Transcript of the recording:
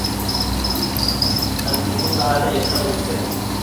ئەمدى بۇ ساھەدە ياشلار بولۇشى كېرەك.